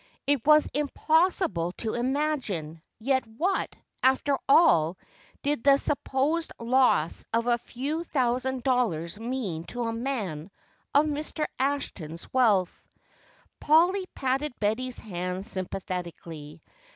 It was impossible to imagine! Yet what, after all, did the supposed loss of a few thousand dollars mean to a man of Mr. Ashton's wealth. Polly patted Betty's hand sympathetically.